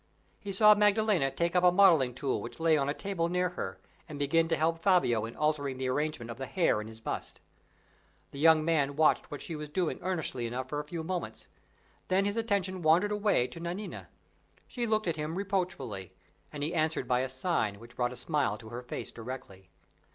He saw Maddalena take up a modeling tool which lay on a table near her, and begin to help Fabio in altering the arrangement of the hair in his bust. The young man watched what she was doing earnestly enough for a few moments; then his attention wandered away to Nanina. She looked at him reproachfully, and he answered by a sign which brought a smile to her face directly.